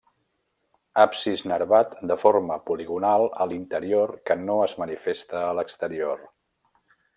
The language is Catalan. Absis nervat, de forma poligonal a l'interior que no es manifesta a l'exterior.